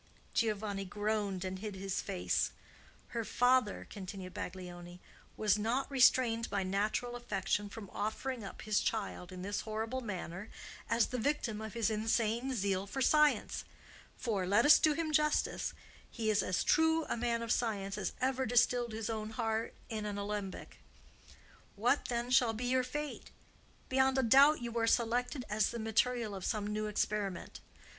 Giovanni groaned and hid his face "Her father," continued Baglioni, "was not restrained by natural affection from offering up his child in this horrible manner as the victim of his insane zeal for science; for, let us do him justice, he is as true a man of science as ever distilled his own heart in an alembic. What, then, will be your fate? Beyond a doubt you are selected as the material of some new experiment.